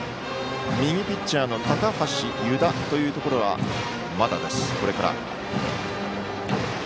右ピッチャーの高橋、湯田というところはまだです。